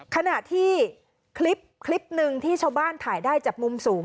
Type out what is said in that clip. ขณะที่คลิปคลิปหนึ่งที่ชาวบ้านถ่ายได้จากมุมสูง